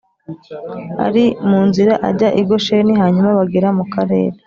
Ari mu nzira ajya i gosheni hanyuma bagera mu karere